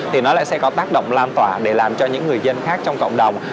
thì nó lại sẽ có tác động lan tỏa để làm cho những người dân khác trong cộng đồng